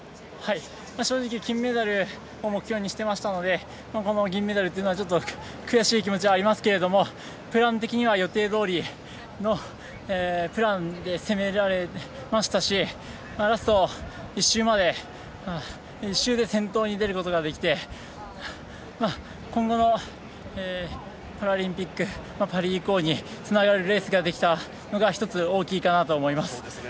正直、金メダルを目標にしてましたのでこの銀メダルというのは悔しい気持ちはありますがプラン的には予定どおりのプランで攻められましたしラスト１周で先頭に出ることができて今後のパラリンピックパリ以降につながるレースができたのが１つ大きいかなと思います。